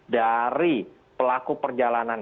dari pelaku perjalanan